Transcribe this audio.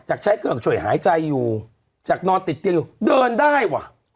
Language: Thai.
ใช้เครื่องช่วยหายใจอยู่จากนอนติดเตียงอยู่เดินได้ว่ะ